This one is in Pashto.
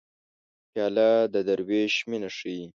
پیاله د دروېش مینه ښيي.